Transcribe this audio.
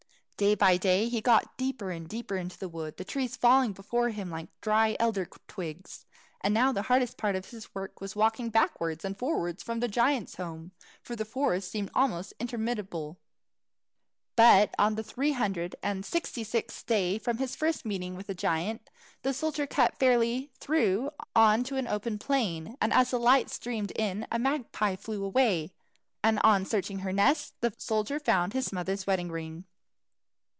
Day by day he got deeper and deeper into the wood, the trees falling before him like dry elder twigs; and now the hardest part of his work was walking backwards and fowards to the giant's home, for the forest seemed almost interminable. But on the three hundred and sixty sixth day from his first meeting with the giant, the soldier cut fairly through on to an open plain, and as the light streamed in, a magpie flew away, and on searching her nest, the soldier found his mother's wedding ring.